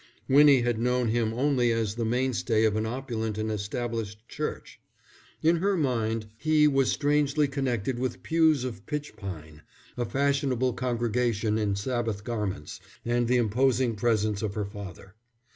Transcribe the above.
Winnie had known Him only as the mainstay of an opulent and established Church. In her mind He was strangely connected with pews of pitch pine, a fashionable congregation in Sabbath garments, and the imposing presence of her father.